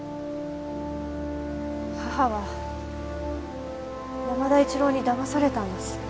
母は山田一郎に騙されたんです。